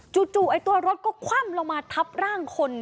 ไอ้ตัวรถก็คว่ำลงมาทับร่างคน